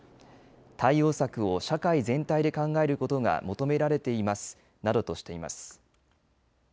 対応策を社会全体で考えることが求められていますなどとしています。